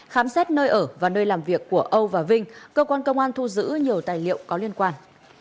khám xét nơi ở và nơi làm việc của âu và vinh cơ quan công an thu giữ nhiều tài liệu có liên quan